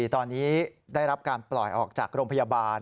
ตอนนี้ได้รับการปล่อยออกจากโรงพยาบาล